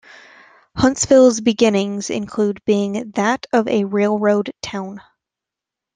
Huntsville's beginnings include being that of a railroad town.